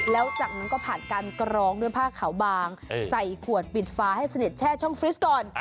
แล้วจากนั้นก็ผ่านการกรองด้วยผ้าขาวบางใส่ขวดปิดฟ้าให้เสด็จแช่ช่องฟริสก่อน